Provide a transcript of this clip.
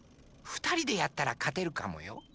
ふたりでやったらかてるかもよ。